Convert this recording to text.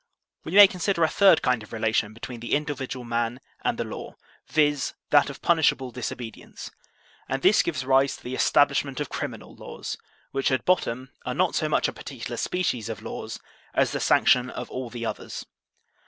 We may consider a third kind of relation between the individual man and the law, viz, that of punishable dis obedience; and this gives rise to the establishment of criminal laws, which at bottom are not so much a 4S THE SOCIAL CONTRACT particular species of laws as the sanction of all the others.